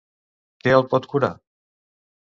Què el pot curar?